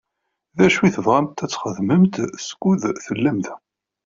D acu i tebɣamt ad t-txedmemt skud tellamt da?